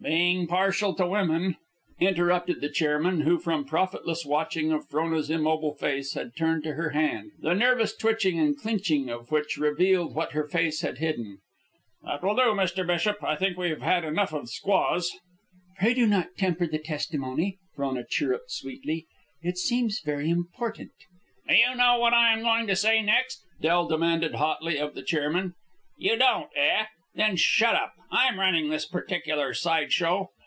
Being partial to women " "That will do, Mr. Bishop," interrupted the chairman, who, from profitless watching of Frona's immobile face, had turned to her hand, the nervous twitching and clinching of which revealed what her face had hidden. "That will do, Mr. Bishop. I think we have had enough of squaws." "Pray do not temper the testimony," Frona chirruped, sweetly. "It seems very important." "Do you know what I am going to say next?" Del demanded hotly of the chairman. "You don't, eh? Then shut up. I'm running this particular sideshow."